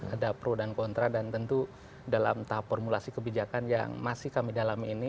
ada pro dan kontra dan tentu dalam tahap formulasi kebijakan yang masih kami dalam ini